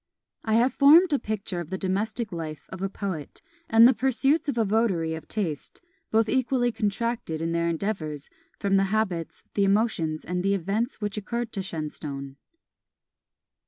I have formed a picture of the domestic life of a poet, and the pursuits of a votary of taste, both equally contracted in their endeavours, from the habits, the emotions, and the events which occurred to Shenstone.